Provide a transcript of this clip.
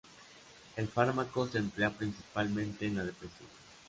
El fármaco se emplea principalmente en la depresión.